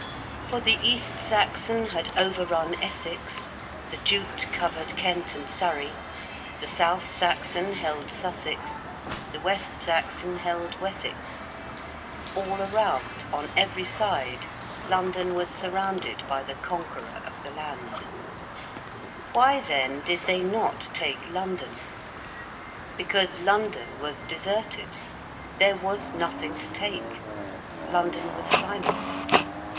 For the East Saxon had overrun Essex, the Jute covered Kent and Surrey, the South Saxon held Sussex, the West Saxon held Wessex. All around on every side London was surrounded by the Conqueror of the Land. Why, then, did they not take London? Because London was deserted; there was nothing to take: London was silent.